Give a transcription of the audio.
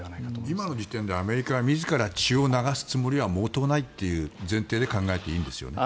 今の時点でアメリカは自ら血を流すつもりは毛頭ないという前提で考えていいんですよね。